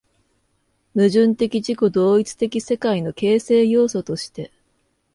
矛盾的自己同一的世界の形成要素として